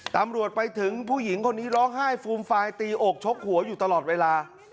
ตำรวจไปถึงผู้หญิงคนนี้ร้องไห้ฟูมฟายตีอกชกหัวอยู่ตลอดเวลา